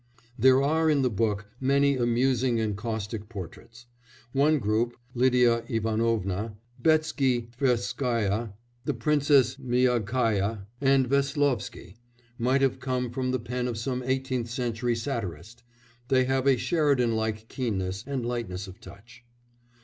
There are in the book many amusing and caustic portraits. One group Lidia Ivanovna, Betsky Tverskáia, the Princess Miagkaïa, and Veslovsky might have come from the pen of some eighteenth century satirist; they have a Sheridan like keenness and lightness of touch.